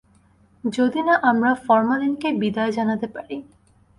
যদি না আমরা ফরমালিনকে বিদায় জানাতে পারি।